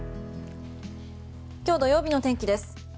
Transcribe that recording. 今日土曜日の天気です。